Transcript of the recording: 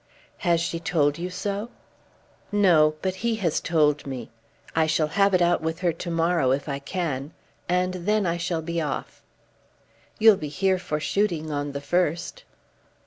"Has she told you so?" "No; but he has told me. I shall have it out with her to morrow, if I can. And then I shall be off." "You'll be here for shooting on the 1st?"